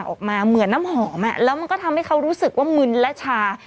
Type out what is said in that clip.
ออกมาเหมือนน้ำหอมแล้วมันก็ทำให้เขารู้สึกว่ามึนและชา